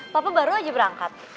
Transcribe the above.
papa baru aja berangkat